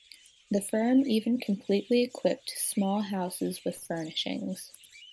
The firm even completely equipped small houses with furnishings.